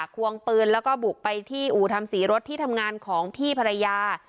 ควงปืนแล้วก็บุกไปที่อู่ทำสีรถที่ทำงานของพี่ภรรยา